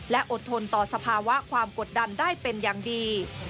และอดทนต่อสภาวะความกดดันได้เป็นอย่างดี